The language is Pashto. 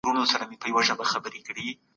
خپل اخلاق به په دوامداره توګه ښه کوئ.